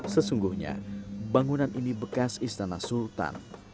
sesungguhnya bangunan ini bekas istana sultan